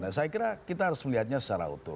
nah saya kira kita harus melihatnya secara utuh